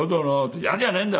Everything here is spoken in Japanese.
「“嫌じゃねえんだよ。